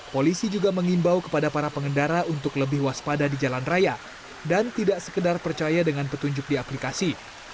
polisi juga mengimbau kepada para pengendara untuk lebih waspada di jalan raya dan tidak sekedar percaya dengan petunjuk di aplikasi